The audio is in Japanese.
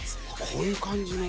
「こういう感じの」